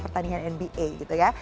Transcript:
pertandingan nba gitu ya